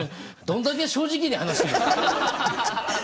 どんだけ正直に話してんだ！